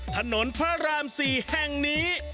ถนนพระราม๔แห่งนี้